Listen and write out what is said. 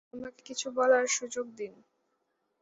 আমাকে কিছু বলার সুযোগ দিন!